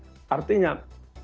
jumlah kendaraan itu terus dikebut